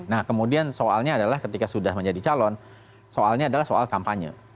nah kemudian soalnya adalah ketika sudah menjadi calon soalnya adalah soal kampanye